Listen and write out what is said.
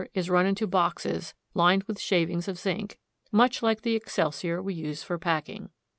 is run into boxes filled with shavings of zinc, much like the excelsior we use for packing.